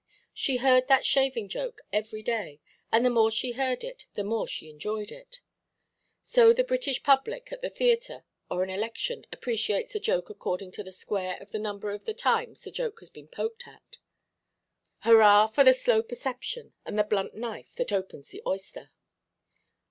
She heard that shaving joke every day, and, the more she heard it, the more she enjoyed it. So the British public, at a theatre, or an election, appreciates a joke according to the square of the number of the times the joke has been poked at it. Hurrah for the slow perception, and the blunt knife that opens the oyster!